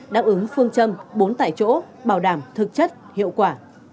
đáp ứng phương châm bốn tại chỗ bảo đảm thực chất hiệu quả